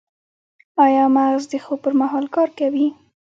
ایا مغز د خوب پر مهال کار کوي؟